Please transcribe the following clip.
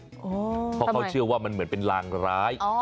เพราะเขาเชื่อว่ามันเหมือนเป็นลางร้าย